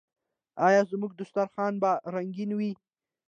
آیا زموږ دسترخان به رنګین وي؟